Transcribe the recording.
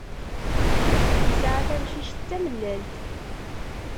Yesεa tamcict d tamellalt.